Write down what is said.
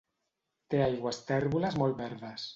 Té aigües tèrboles molt verdes.